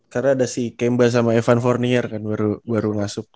karena ada sih kemba sama evan fournier kan baru masuk